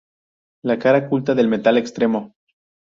La cara culta del metal extremo.